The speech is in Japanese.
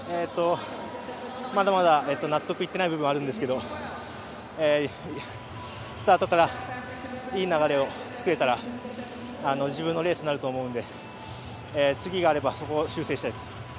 まだまだ納得いっていない部分があるんですけれどスタートからいい流れをつくれたら、自分のレースになると思うので次があればそこを修正したいです。